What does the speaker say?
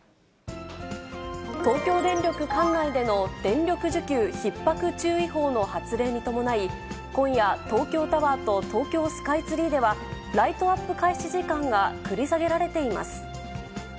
東京電力管内での電力需給ひっ迫注意報の発令に伴い、今夜、東京タワーと東京スカイツリーでは、ライトアップ開始時間が繰り下げられています。